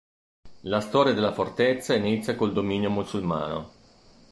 La storia della fortezza inizia col dominio musulmano.